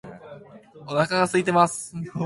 お腹が空いています